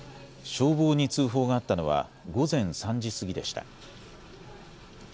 消防に通報があったのは午前３時過ぎでした。